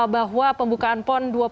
bahwa pembukaan pon dua puluh